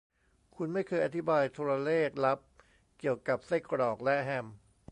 คุณไม่เคยอธิบายโทรเลขลับเกี่ยวกับไส้กรอกและแฮม